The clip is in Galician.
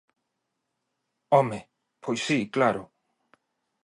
¡Home!, pois si, claro.